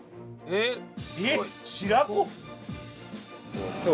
えっ白子？